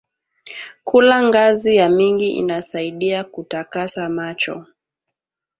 Kula ngazi ya mingi inasaidia ku takasa macho